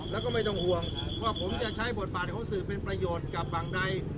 แล้วก็ไม่ต้องห่วงว่าผมจะใช้บทบาทของสื่อเป็นประโยชน์กับฝั่งใด